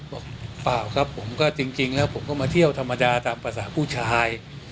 เปล่าครับผมก็จริงแล้วผมก็มาเที่ยวธรรมดาตามภาษาผู้ชาย